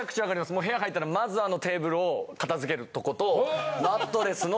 もう部屋入ったらまずあのテーブルを片付けるとこと。